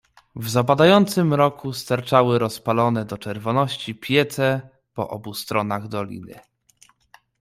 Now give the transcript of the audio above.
"W zapadającym mroku sterczały rozpalone do czerwoności piece po obu stronach doliny."